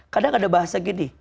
kadang ada bahasa gini